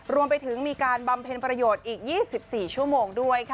รวมไปถึงมีการบำเพ็ญประโยชน์อีก๒๔ชั่วโมงด้วยค่ะ